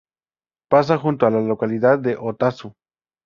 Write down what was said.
Pasa junto a la localidad de Otazu.